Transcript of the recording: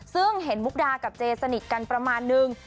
ซึ่งเห็นมุกดากับเจสนิทกันประมาณนึง